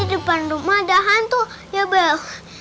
jadi depan rumah ada hantu ya bel